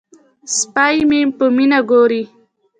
سپی مې په مینه ګوري.